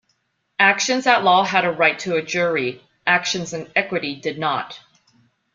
Actions at law had a right to a jury, actions in equity did not.